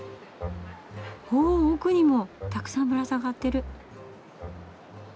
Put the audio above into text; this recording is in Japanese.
お奥にもたくさんぶら下がってる。